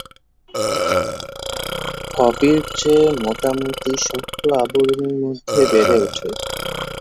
কপির চেয়ে মোটামুটি শক্ত আবরণের মধ্যে বেড়ে ওঠে।